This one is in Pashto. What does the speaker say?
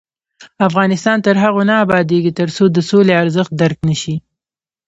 افغانستان تر هغو نه ابادیږي، ترڅو د سولې ارزښت درک نشي.